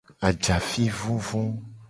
Ajafi vuvu.